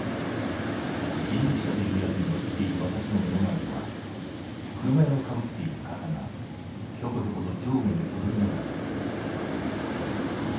人力車というやつに乗っている私の目の前では車屋のかぶっている笠がヒョコヒョコと上下に踊りながら駆けていく。